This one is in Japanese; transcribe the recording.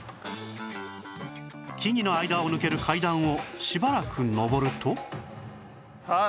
木々の間を抜ける階段をしばらく上ると